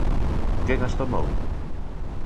¿Quen as tomou?